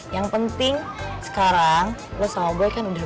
bang liman pokoknya bantuin ya